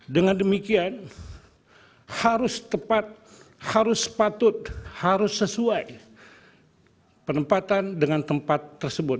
dengan demikian harus tepat harus patut harus sesuai penempatan dengan tempat tersebut